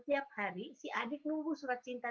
tiap hari si adik nunggu surat cinta